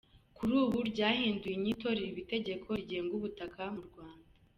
Kuri ubu ryahinduye inyito riba Itegeko rigenga ubutaka mu Rwanda.